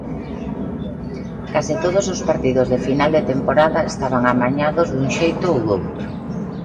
Case todos os partidos de final de temporada estaban amañados dun xeito ou doutro.